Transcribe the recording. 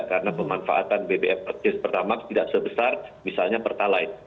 karena pemanfaatan bpm per jenis pertamak tidak sebesar misalnya pertalite